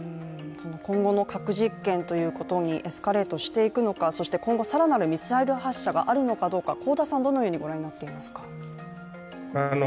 今後の核実験にエスカレートしていくのか、そして今後更なるミサイル発射があるのか、香田さんはどのようにご覧になっていますか。